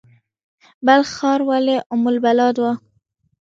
بلخ ښار ولې ام البلاد و؟